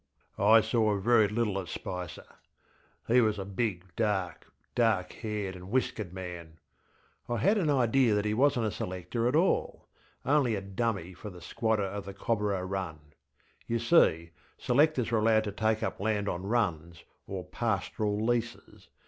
I saw very little of Spicer. He was a big, dark, dark haired and whiskered man. I had an idea that he wasnŌĆÖt a selector at all, only a ŌĆśdummyŌĆÖ for the squatter of the Cobborah run. You see, selectors were allowed to take up land on runs, or pastoral leases.